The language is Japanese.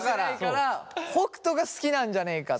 北斗が好きなんじゃねえかと。